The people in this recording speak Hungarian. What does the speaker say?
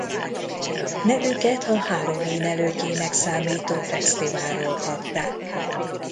Nevüket a Halloween elődjének számító fesztiválról kapták.